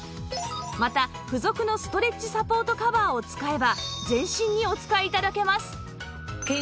また付属のストレッチサポートカバーを使えば全身にお使い頂けます